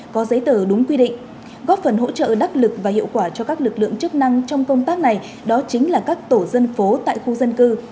có giấy tờ đúng quy định góp phần hỗ trợ đắc lực và hiệu quả cho các lực lượng chức năng trong công tác này đó chính là các tổ dân phố tại khu dân cư